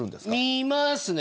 見ますね。